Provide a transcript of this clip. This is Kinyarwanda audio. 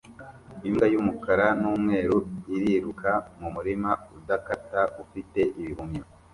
Imbwa yumukara numweru iriruka mumurima udakata ufite ibihumyo